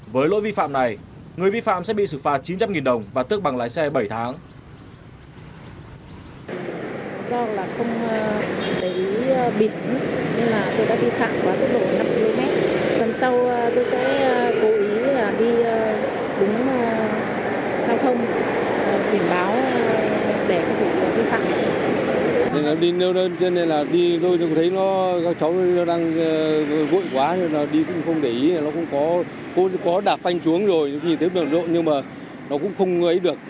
với lỗi vi phạm này người vi phạm sẽ bị sự phạt chín trăm linh đồng và tước bằng lái xe bảy tháng